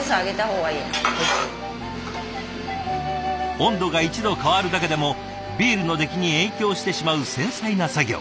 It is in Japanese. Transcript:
温度が１度変わるだけでもビールの出来に影響してしまう繊細な作業。